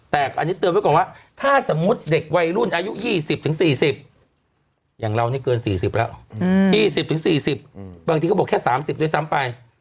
แต่อันนี้เตือนไว้ก่อนว่าถ้าสมมุติเด็กวัยรุ่นอายุ๒๐๔๐อย่างเรานี่เกิน๔๐แล้ว๒๐๔๐บางทีเขาบอกแค่๓๐ด้วยซ้ำไป